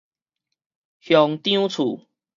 鄉長厝